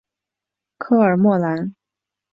科尔莫兰。